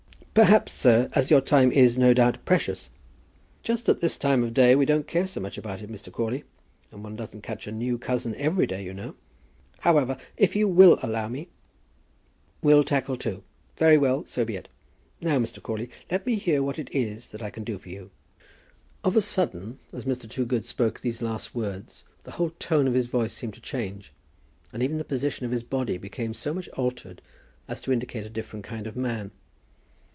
"Perhaps, sir, as your time is, no doubt, precious " "Just at this time of the day we don't care so much about it, Mr. Crawley; and one doesn't catch a new cousin every day, you know." "However, if you will allow me, " "We'll tackle to? Very well; so be it. Now, Mr. Crawley, let me hear what it is that I can do for you." Of a sudden, as Mr. Toogood spoke these last words, the whole tone of his voice seemed to change, and even the position of his body became so much altered as to indicate a different kind of man.